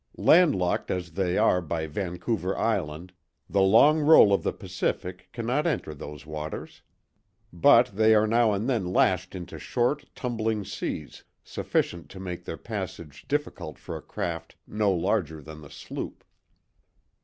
Landlocked as they are by Vancouver Island, the long roll of the Pacific cannot enter those waters; but they are now and then lashed into short, tumbling seas, sufficient to make their passage difficult for a craft no larger than the sloop.